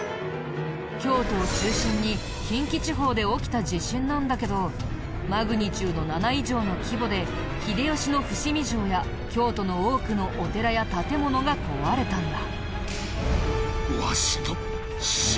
京都を中心に近畿地方で起きた地震なんだけどマグニチュード７以上の規模で秀吉の伏見城や京都の多くのお寺や建物が壊れたんだ。